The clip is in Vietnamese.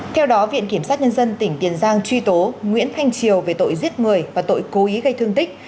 theo đó viện kiểm sát nhân dân tỉnh tiền giang truy tố nguyễn thanh triều về tội giết người và tội cố ý gây thương tích